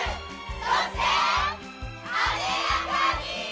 そして艶やかに！